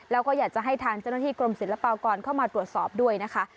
แล้วก็อยากจะให้ทางเจ้าหน้าที่กรมศิลปากรเข้ามาตรวจสอบด้วยนะคะ